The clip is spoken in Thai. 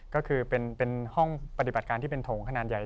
ก็คือเป็นห้องปฏิบัติการที่เป็นโถงขนาดใหญ่